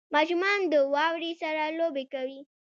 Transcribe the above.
• ماشومان د واورې سره لوبې کوي.